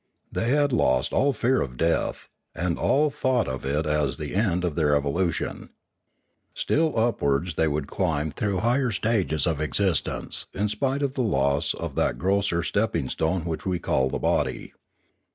They had lost all fear of death, and all thought of it as the end of their evolution. Still upwards would they climb through higher stages of existence, in spite of the loss of that grosser stepping stone which we call the body.